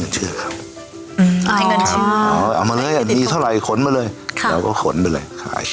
เก็บเกี่ยวขายได้